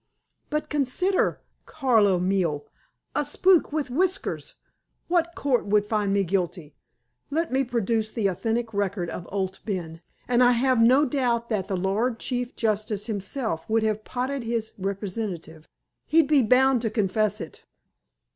"But, consider, Carlo mio! A spook with whiskers! What court would find me guilty? Let me produce the authentic record of Owd Ben, and I have no doubt but that the Lord Chief Justice himself would have potted his representative. He'd be bound to confess it."